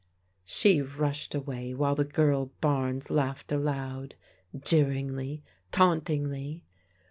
She rushed away while the girl Barnes laughed aloud: — ^jeeringly, tauntingly.